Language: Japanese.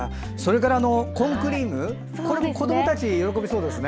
コーンクリームは子どもたち喜びそうですね。